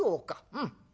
うん。